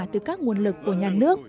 từ các nguồn lực của nhà nước